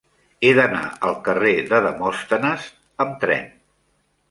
He d'anar al carrer de Demòstenes amb tren.